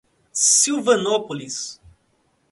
Silvanópolis